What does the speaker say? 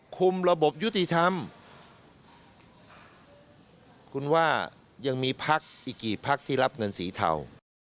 คุมระบบยุติธรรมคุณว่ายังมีพักอีกกี่พักที่รับเงินสีเทา